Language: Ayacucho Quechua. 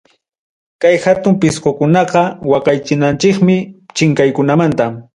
Kay hatun pisqukunaqa waqaychananchikmi, chinkaykunamanta.